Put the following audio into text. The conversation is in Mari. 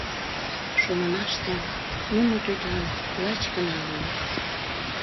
Шонымаштем, нуно тудлан лач гына улыт.